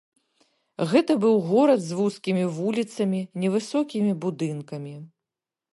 Гэта быў горад з вузкімі вуліцамі, невысокімі будынкамі.